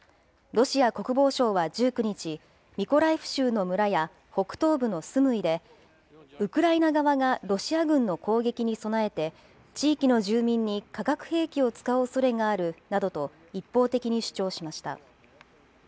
ロシア国防省は１９日、ミコライフ州の村や、北東部のスムイで、ウクライナ側がロシア軍の攻撃に備えて、地域の住民に化学兵器を使うおそれがあるなどと一方的に主張しました。